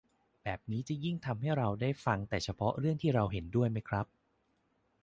แบบนี้จะยิ่งทำให้เราได้ฟังแต่เฉพาะเรื่องที่เราเห็นด้วยไหมครับ